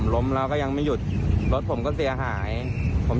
แล้วบทสายของเขาก็ได้รับความเสียหายครับ